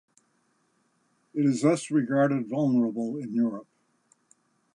It is thus regarded vulnerable in Europe.